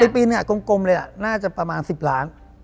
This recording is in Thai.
ปีนี้กลมเลยน่าจะประมาณ๑๐ล้าน